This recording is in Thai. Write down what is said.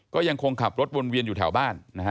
ก็ยังคงขับรถวนเวียนอยู่แถวบ้านนะฮะ